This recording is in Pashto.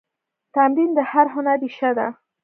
تمرین د هر هنر ریښه ده.